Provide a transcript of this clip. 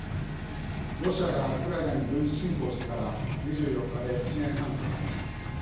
ロシアがウクライナに軍事侵攻してから２４日で１年半となりました。